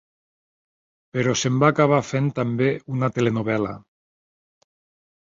Però se'n va acabar fent també una telenovel·la.